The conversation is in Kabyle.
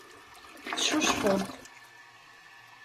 Teccucfeḍ.